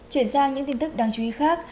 chuyển sang những tin tức đáng chú ý khác